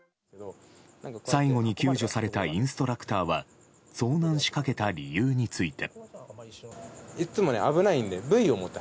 最後に救助されたインストラクターは遭難しかけた理由について。